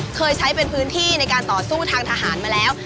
เคยใช้เป็นพื้นที่ในการต่อสู้ทางทหารมาแล้ว